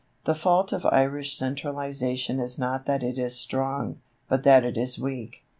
The fault of Irish centralization is not that it is strong, but that it is weak.